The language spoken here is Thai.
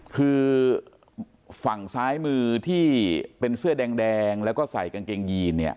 คือฝั่งซ้ายมือที่เป็นเสื้อแดงแล้วก็ใส่กางเกงยีนเนี่ย